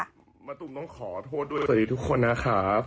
สวัสดีทุกคนนะครับ